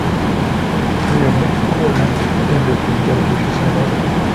Mayor Mick Cornett attended the dedication ceremony.